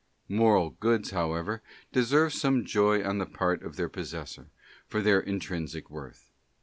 Moral Goods, however, deserve some Joy on the part of their possessor, for their intrinsic worth.